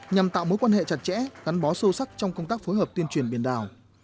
nhằm tạo mối quan hệ chặt chẽ gắn bó sâu sắc trong công tác phối hợp tuyên truyền biển đảo